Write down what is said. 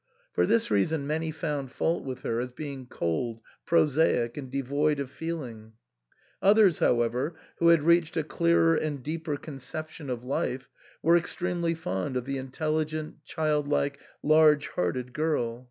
For this reason many found fault with her as being cold, prosaic, and devoid of feeling ; others, however, who had reached a clearer and deeper conception of life, were extremely fond of the intelligent, childlike, large hearted girl.